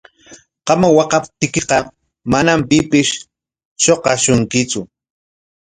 Qam waqaptiykiqa manam pipis shuqashunkitsu.